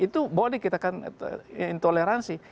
itu boleh kita kan intoleransi